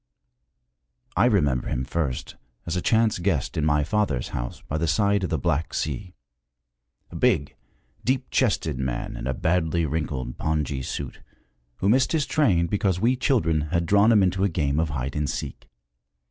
I remember him first as a chance guest in my father's house by the side of the Black Sea a big, deep chested man in a badly wrinkled pongee suit, who missed his train because we children had drawn him into a game of hide and seek.